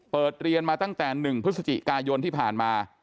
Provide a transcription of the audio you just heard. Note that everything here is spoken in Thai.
เปิดเรียนมาตั้งแต่๑พฤศจิกายนที่ผ่านมา